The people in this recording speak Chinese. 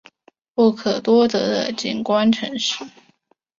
不可多得的景观城市